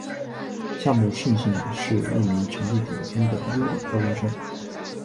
夏木胜幸是一名成绩顶尖的优等高中生。